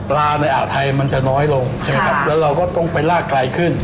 ปลาในอาทัยมันจะน้อยลงแล้วเราก็ต้องไปร่ากกลายขึ้น